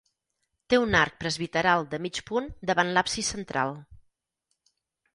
Té un arc presbiteral de mig punt davant l'absis central.